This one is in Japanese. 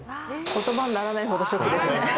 言葉にならないほどショックですね。